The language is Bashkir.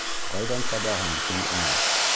Ҡайҙан табаһың һин уны?